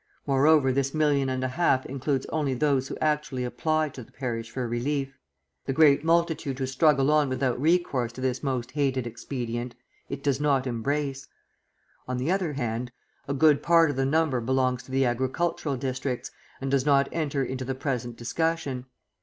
Moreover, this million and a half includes only those who actually apply to the parish for relief; the great multitude who struggle on without recourse to this most hated expedient, it does not embrace. On the other hand, a good part of the number belongs to the agricultural districts, and does not enter into the present discussion.